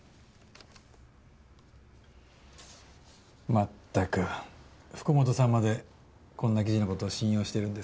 全く福本さんまでこんな記事のことを信用してるんですか？